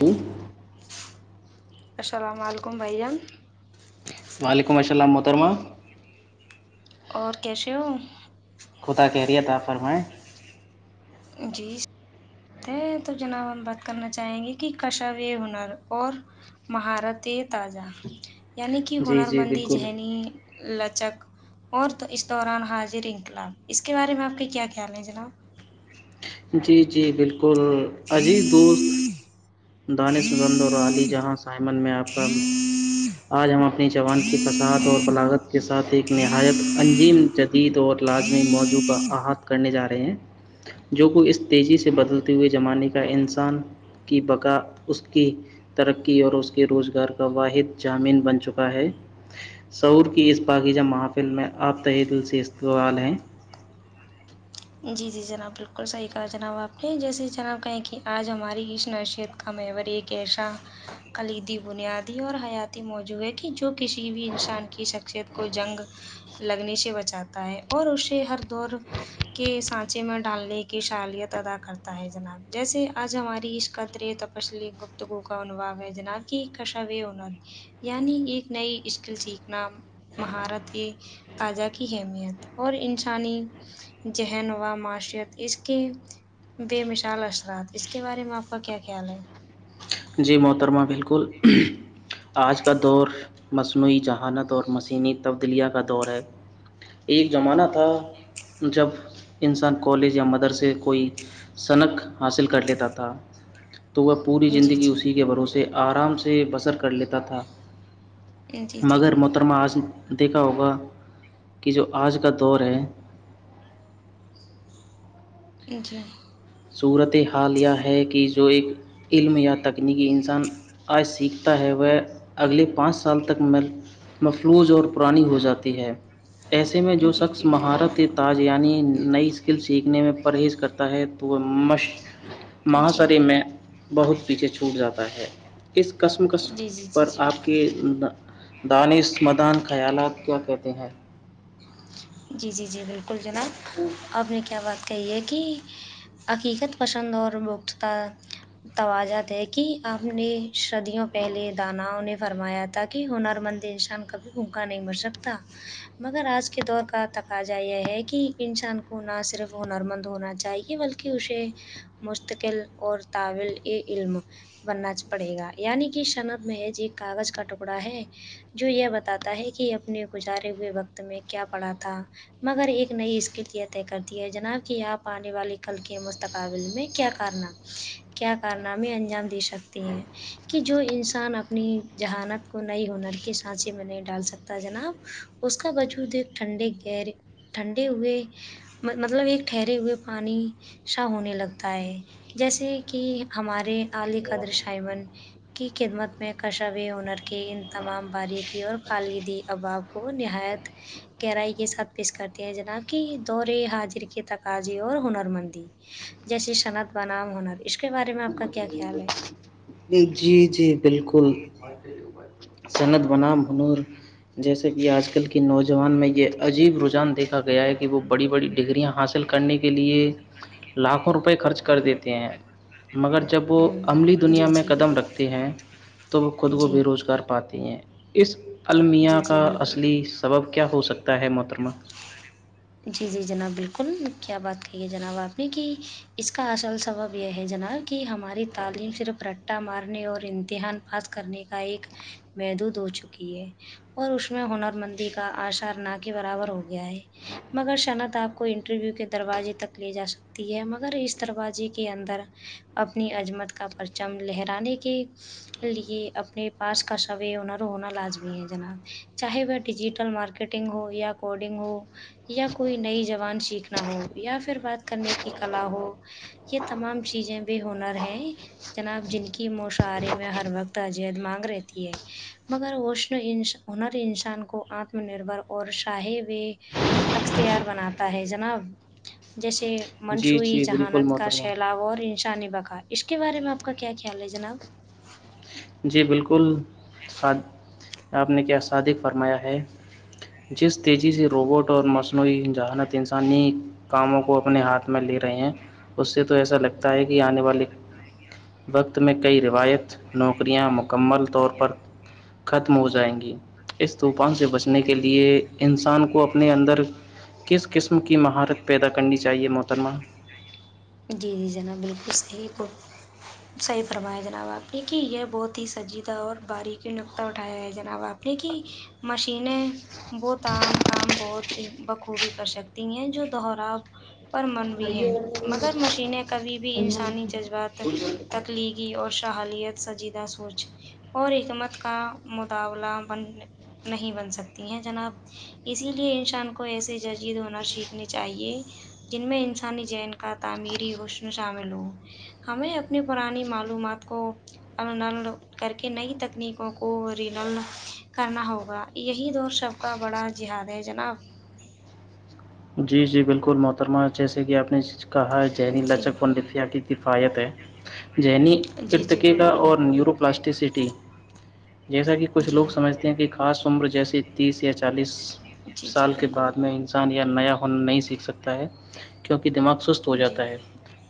جی السلام علیکم بھائی جان وعلیکم السلام محترمہ اور کیسے ہو خدا خیریت آتا فرمائیں جی تو جناب ہم بات کرنا چاہیں گے کہ کشو یہ ہنر اور مہارت تازہ یعنی کہ جی ہنر جی مندی بالکل ذہنی لچک اور تو اس دوران حاضر انقلاب اس کے بارے میں آپ کے کیا خیال ہیں جناب جی جی بالکل عزیز دوست دانشگندر اور عالی جہاں سائمن میں آپ کا آج ہم اپنی جوان کی فسعاد اور بلاغت کے ساتھ ایک نہایت انجیم دید اور لازمی موضوع کا احط کرنے جا رہے ہیں جو کہ اس تیزی سے بدلتے ہوئے زمانے کا انسان کی بقا اس کی ترقی اور اس کے روزگار کا واحد جامین بن چکا ہے سعور کی اس پاکیزہ محفل میں آپ تہ دل سے استقبال ہیں جی جی جناب بالکل صحیح کہا جناب آپ نے جیسے جناب کہیں کہ آج ہماری اس معیشیت کو ہمیں باری کہشا کلیدی بنیادی اور حیاتی موجوع ہے کہ جو کسی بھی انسان کی شخصیت کو جنگ لگنے سے بچاتا ہے اور اسے ہر دور کے سانچے میں ڈالنے کی شالیت ادا کرتا ہے جناب جیسے آج ہماری اس قطرے طب فصلی گپت گوکا ہون وگ ا جن کیی کشاو ہوون آگ [unintelligible] یعنی ایک نئی اسکل سیکھنا مہارت یہ تاجہ کی اہمیت اور انسانی ذہن و معشرت اس کے بے مثال اثرات اس کے بارے میں آپ کا کیا خیال ہے جی محترمہ بالکل آج کا دور مصنوعی جذہانت اور مسینی تبدیلیا کا دور ہے ایک زمانہ تھا جب انسان کالج یا مدرسے کوئی سنک حاصل کر لیتا تھا تو وہ پوری جی زندگی جی اسی کے بھروسے آرام سے بسر کر لیتا تھا جی جی مگر محترمہ آظم دیکھا ہوگا کہ جو آج کا دور ہے جی صورت حال یہ ہے کہ جو ایک علم یا تکنیکی انسان آج سیکھتا ہے وہ اگلے پانچ سال تک مفلوظ اور پرانی ہو جاتی ہے ایسے میں جی جو جی شخص جی بالکل مہارت تاج یعنی نئی اسکل سیکھنے میں پرہیز کرتا ہے تو وہ مش جی مہاشر میں بہت پیچھے چھوٹ جاتا ہے اس قسم قس جی جی جی پر جی آپ بالکل کے دانش مدان خیالات آپ کیا کہتے ہیں جی جی جی بالکل جناب آپ نے کیا بات کہی ہے کہ حقیقت پسند اور مختتا توجہد ہے کہ آپ نے صدیوں پہلے داناؤں نے فرمایا تھا کہ ہنر مندی انسان کبھی بھوکا نہیں مر سکتا مگر آج کے دور کا تقاضا یہ ہے کہ انسان کو نہ صرف ہنرمند ہونا چاہیے بلکہ کہ اسے مستقل اور طلبہ علم بننا چاہیے پڑے گا یعنی کہ شنب محج ایک کاغذ کا ٹکڑا ہے جو یہ بتاتا ہے کہ اپنے گزارے ہوئے وقت میں کیا پڑا تھا مگر ایک نئی اسکل یہ طے کرتی ہے جناب کہ آپ آنے والے کل کے مستقبل میں کیا کرنا ہے کیا کارنامے انجام دے سکتی ہیں کہ جو انسان اپنی ذہانت کو نئی ہنر کے سانچے میں نہیں ڈال سکتا جناب اس کا وجود ایک ٹھنڈے گرے ٹھنڈے ہوئے مطلب ایک ٹھہرے ہوئے پانی شاہ ہونے لگتا ہے جیسے کہ ہمارے علی قدر شائمن کی خدمت میں کشو ہنر کے ان تمام باریکی اور خالدی اباب کو وہ نہایت گہرائی کے ساتھ پیش کرتے ہیں جناب کہ دورے حاضر کے تقاضے اور ہنر مندی جیسی صنعت بنام ہنر اس کے بارے میں آپ کا کیا خیال ہے جی جی بالکل سنت بنام ہنور جیسے کہ آج کل کے نوجوان میں یہ عجیب رجحان دیکھا گیا ہے کہ ب وہ بڑی بڑی ڈگریاں حاصل کرنے کے لیے لاکھوں روپئے خرچ کر دیتے ہیں مگر جب وہ عملی ہوں جی دنیا میں جی قدم رکھتے ہیں تو وہ خود کو جی بے روزگار پاتی ہیں اس جی المیا جی کا بالکل اصلی سبب کیا ہو سکتا ہے محترمہ جی جی جناب بالکل کیا بات کہیے جناب آپ نے کہ اس کا اصل سبب یہ ہے جناب کہ ہماری تعلیم صرف رٹا مارنے اور امتحان پاس کرنے کا ایک محدود ہو چکی ہے اور اس میں ہنر مندی کا آشار نہ کے برابر ہو گیا ہے مگر صنعت آپ کو انٹرویو کے دروازے تک لے جا سکتی ہے مگر اس دروازے کے اندر اپنی عظمت کا پرچم لہرانے کی لئے اپنے پاس کا سوے انرو ہونا لازمی ہے جناب چاہے وہ ڈیجیٹل مارکیٹ نگ ہو یا کوڈنگ ہو یا کوئی نئی زبان سیکھنا ہو یا پھر بات کرنے کی کلا ہو یہ تمام چیزیں بھی ہنر ہے جناب جن کی مشاعاری میں ہر وقت اجیت مانگ رہتی ہے مگر وشن ان ہنر انسان کو آتم نربھر اور شاہ و اختیار بناتا ہے جناب جیسے جی مصنوعی جی بالکل ذہانت کا محترمہ سیلاب اور انسان بقا اس کے بارے میں آپ کا کیا خیال ہے جناب جی بالکل آپ نے کیا صادق فرمایا ہے جس تیزی سے روبوٹ اور مصنوعی ذہانت انسانی کاموں کو اپنے ہاتھ میں لے رہے ہیں اس سے تو ایسا لگتا ہے کہ آنے والے وقت میں کئی روایت نوکریاں مکمل طور پر ختم ہو جائیں گی اس طوفان سے بچنے کے لیے انسان کو اپنے اندر کس قسم کی مہارت پیدا کرنی چاہیے محترمہ جی جی جناب بالکل صحیح صحیح فرمایا جناب آپ نے کہ یہ بہت ہی سنجیدہ اور باریکی نقطہ اٹھایا ہے جناب آپ نے لکھی مشینیں بہت ام کام بہت ہی بخوبی کر سکتی ہیں جو دہرا پر منوی ہیں مگر مشینیں کبھی بھی انسانی جذبات تخلیقی اور شحالیت سجیدہ سوچ اور حکمت کا مطابلہ بن نہیں بن سکتی ہیں جناب اسی لیے انسان کو ایسے جج ید ہونا سیکھنی چاہیے جن میں انسانی جین کا تعمیری حسن شامل ہو ہمیں اپنی پرانی معلومات کو [unintelligible] کر کے نئی تکنیکوں کو رنل کرنا ہوگا یہی دور سب کا بڑا جہاد ہے جناب جی جی بالکل محترمہ جیسے کہ آپ نے سچ کہا ہے جہنی جی [unintelligible] کی کفایتیں جنیی جی جی ارتکیکا بالکل اور نیورو پلاسٹیسٹی جیسا کہ کچھ جی لوگ سمجھتے ہیں کہ خاص عمر جیسیے تیس یا چالیس جی جی سال کے بالکل بعد میں انسان یعنی نیا فن نہیں سیکھ سکتا ہے کیونکہ دماغ سست ہو جی جاتا ہے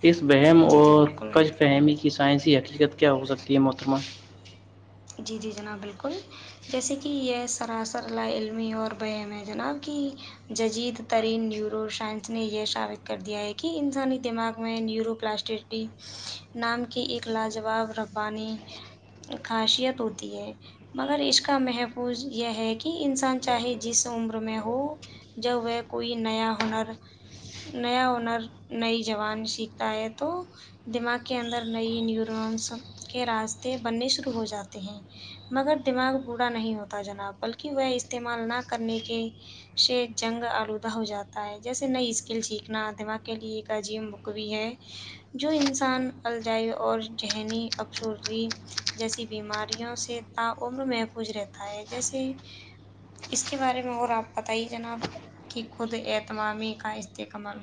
اس وہم جی جی اور بالکل کج فہمی کی سائنسی حقیقت کیا ہو سکتی ہے محترمہ جی جی جناب بالکل جیسے کہ یہ سراسر لا علمی اور وہم ہے جناب کی جدید ترین نیورو سائنس نے یہ ثابت کر دیا ہے کہ انسانی دماغ میں نیورو پلاسٹٹی نام کی ایک لاجواب ربانی خاصیت ہوتی ہے مگر اس کا محفوظ یہ ہے کہ انسان چاہے جس عمر میں ہو جب وہ کوئی نیا ہنر نیا ہنر نئی زبان سیکھتا ہے تو دماغ کے اندر نئی نیورونس سب کے راستے بننے شروع ہو جاتے ہیں مگر دماغ بوڑا نہیں ہوتا جناب بلکہ وہ استعمال نہ کرنے کے صرف جنگ آلودہ ہو جاتا ہے جیسے نئی اسکل سیکھنا دماغ کے لیے ایک عظیم بھی ہے جو انسان الجائی اور ذہنی افسرگی جیسی بیماریوں سے تاعمر محفوظ رہتا ہے جیسے اس کے بارے میں اور آپ بتائیے جناب کہ خود اعتمامی کا استکمل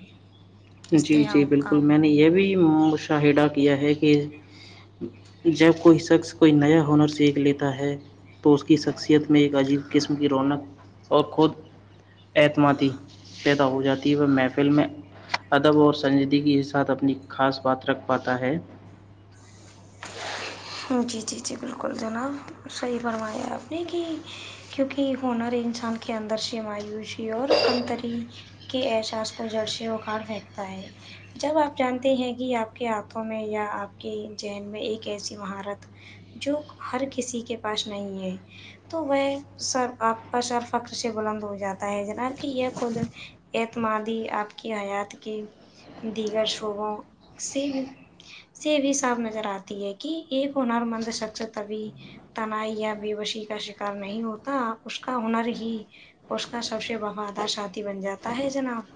جی جی بالکل میں نے یہ بھی مشاہدہ کیا ہے کہ کے جب کوئی شخص کوئی نیا ہنر سیکھ لیتا ہے تو اس کی شخصیت میں ایک عجیب قسم کی رونق اور خود اعتمادی پیدا ہو جاتی ہے وہ محفل میں ادب اور سنجیدگی کے ساتھ اپنی خاص بات رکھ پاتا ہے ج جی جی جی بالکل جناب صحیح فرمایا ہے آپ نے کہ کیونکہ ہنر ہی انسان کے اندر سے مایوسی اور کمتری کے احساس کو جڑھ سے اکھاڑ پھینکتا ہے جب آپ جانتے ہیں کہ آپ کے ہاتھوں میں یا آپ کے ذہن میں ایک ایسی مہارت جو ہر کسی کے پاس نہیں ہے تو وہ سر آپ کا سر فخر سے بلند ہو جاتا ہے جناب کہ یہ خود اعتمادی آپ کی حیات کی دیگر شعبوں سے بھی سے بھی صاف نظر آتی ہے کہ ایک ہنر مند شخص تبھی تنائی یا بےوشی کا شکار نہیں ہوتا اس کا ہنر ہی اس کا سب سے وفادار ساتھی بن جاتا ہے جناب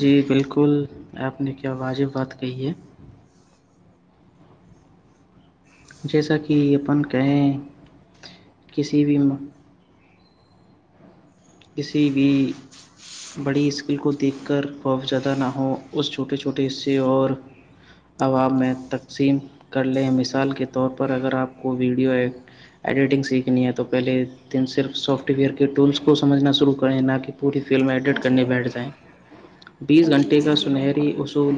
جی بالکل آپ نے کیا واجب بات کہی ہے جیسا کہ اپن کہیں کسی بھی کسی بھی بڑی اسکل کو دیکھ کر خوف زیادہ نہ ہو اس چھوٹے چھوٹے یہ اور عوام میں تقسیم کر لیں مثال کے طور پر اگر آپ کو ویڈیو ایپ ایڈیٹنگ سیکھنی ہے تو پہلے دن صرف سافٹ ویئر کے ٹول کو سمجھنا شروع کریں نہ کہ پوری فلم ایڈٹ کرنے جی بیٹھ جائیں بیس جی گھنٹے جی کا جی سنہری بالکل اصول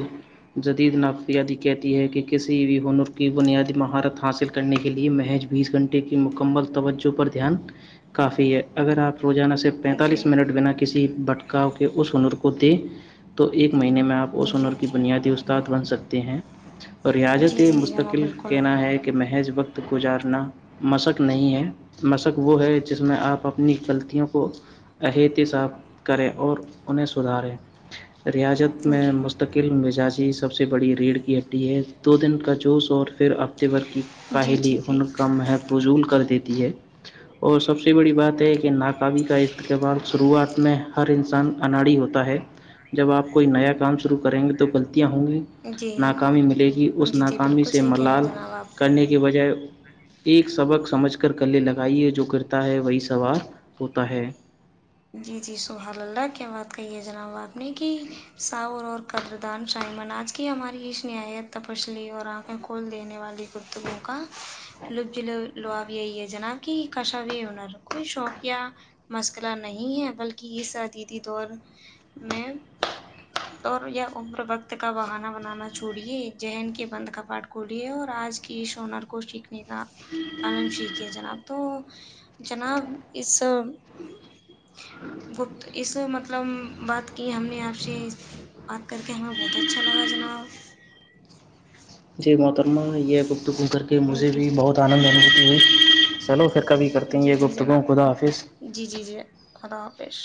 جدید نافیادی کہتی ہے کہ کسی بھی ہنر کی بنیادی مہارت حاصل کرنے کے لیے محج بیس گھنٹے کی مکمل توجہ پر دھیان کافی ہے اگر آپ روزانہ سے جی پینتالیس منٹ بھی بنا کسی بٹکاو کے اس ہنر کو دے تو ایک مہینے میں آپ اس جی ہنر کی جی بنیادی استاد بن سکتے ہیں ریاضت جی تے جی جناب مستقل بالکل کہنا ہے کہ محض وقت گزارنا مشک نہیں ہے مشک وہ ہے جس میں آپ اپنی غلطی کو احت صاف کریں اور انہیں سدھاریں ریازت جی میں جی مستقل مزاجی سب سے بڑی ریڑھ کی ہڈی ہے دو دن کا جوش اور پھر ہفتے بھر کی جی جی جی مح فضول کر دیتی ہے اور سب سے بڑی بات ہے کہ ناک کا استقبال شروعات میں ہر انسان اناڑی ہوتا ہے جب آپ کوئی نیا کام شروع کریں گے تو غلطیاں ہوں گی جی ناکامی ملے گی اس جی جی ناکامی بالکل سے صحیح کہہ رہے ہیں ملال کا جناب آپ کرنے کے بجائے ایک سبق سمجھ کر گلے لگائیے جو کرتا ہے وہی سوار ہوتا ہے جی جی سبحان اللہ کیا بات کہیے جناب آپ نے کہ ساور اور قدردان شائمن آج کی ہماری اس نہایت تپسلی اور آنکھیں کھول دینے والی گفتگو کا لفظ ج لاب یہی ہے جناب کہ کاشا بھی ہے ہنر کوئی شوق یا مسکلار نہیں ہے بلکہ اس ادیدی دور میں اور یہ عمر وقت کا بہانا بنانا چھوڑیے ذہن کے بند کا پاٹ کھولیے اور آج کی اس ہنر کو سیکھنے کا پالم شیکیے جناب تو جناب اس گپت اس مطلب بات کی ہم نے آپ سے ات کر کے ہمیں بہت اچھا لگا جناب جی محترمہ یہ گفتگو کر کے مجھے جی بھی جی بہت آنند محسوس ھوی چلو پھر کبھی کرتے ہیں جی یہ جی گفتگو جناب خدا حافظ جی جی جی خدا حافظ